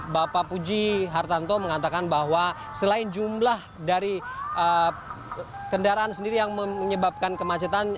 bapak puji hartanto mengatakan bahwa selain jumlah dari kendaraan sendiri yang menyebabkan kemacetan